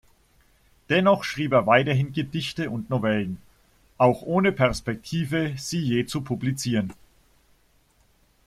Dennoch schrieb er weiterhin Gedichte und Novellen, auch ohne Perspektive, sie je zu publizieren.